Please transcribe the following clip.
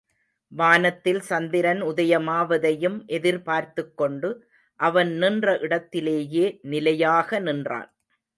வானத்தில் சந்திரன் உதயமாவதையும் எதிர்பார்த்துக்கொண்டு, அவன் நின்ற இடத்திலேயே நிலையாக நின்றான்.